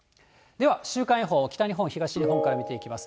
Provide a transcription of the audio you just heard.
では、週間予報、北日本、東日本から見ていきます。